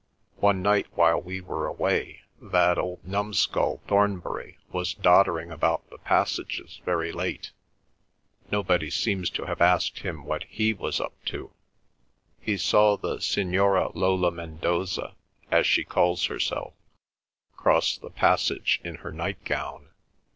One night while we were away that old numskull Thornbury was doddering about the passages very late. (Nobody seems to have asked him what he was up to.) He saw the Signora Lola Mendoza, as she calls herself, cross the passage in her nightgown.